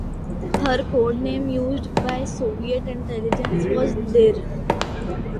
Her code name used by Soviet intelligence was "Dir".